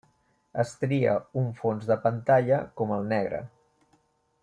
Es tria un fons de pantalla com el negre.